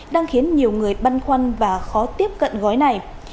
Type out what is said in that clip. đang khiến nhiều người băn khoăn và khó tiếp cận gói này